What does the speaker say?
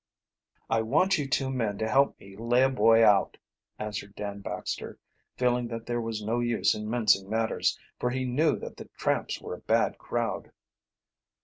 "I want you two men to help me lay a boy out," answered Dan Baxter, feeling that there was no use in mincing matters, for he knew that the tramps were a bad crowd.